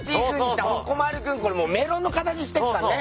これもうメロンの形してっからね。